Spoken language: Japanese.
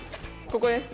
ここです。